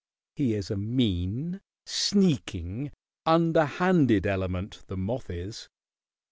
"He is a mean, sneaking, underhanded element, the moth is.